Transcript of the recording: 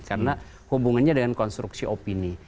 karena hubungannya dengan konstruksi opini